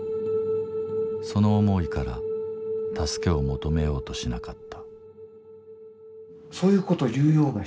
その思いから助けを求めようとしなかった。